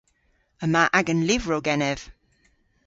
Yma agan lyvrow genev.